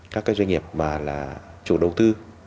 các doanh nghiệp mà là chủ đầu tư